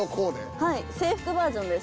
はい制服バージョンです。